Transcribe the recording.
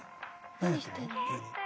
何してるの？